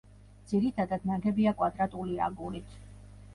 ძირითადად ნაგებია კვადრატული აგურით.